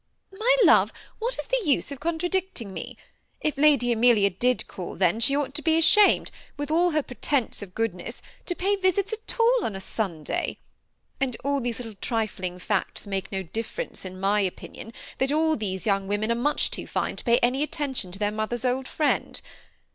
^ My love, what is the use of jocmtradicting me ? If Lady Amelia did call then, she ought to.be ashamed, with all her pretence of goodness, to pay visits at all on Sunday. And all these little trifling facts make no dif ference, in my opinion, that all these young wc»nen are much too fine to pay any attention to their mother's old friend.